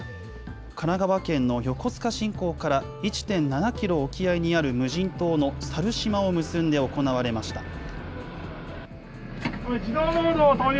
神奈川県の横須賀新港から１．７キロ沖合にある無人島の猿島を結んで行われました。